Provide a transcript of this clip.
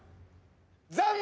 残念！